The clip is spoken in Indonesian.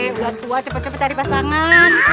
buat tua cepet cepet cari pasangan